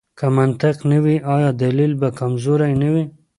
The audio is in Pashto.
که منطق نه وي، آیا دلیل به کمزوری نه وي؟